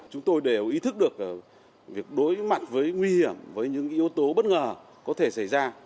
chúng tôi đều ý thức được việc đối mặt với nguy hiểm với những yếu tố bất ngờ có thể xảy ra